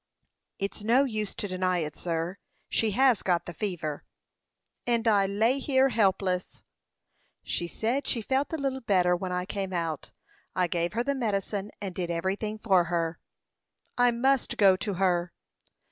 "It's no use to deny it, sir. She has got the fever." "And I lay here helpless!" "She said she felt a little better when I came out. I gave her the medicine, and did everything for her." "I must go to her."